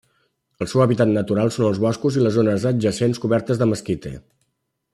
El seu hàbitat natural són els boscos i les zones adjacents cobertes de mesquite.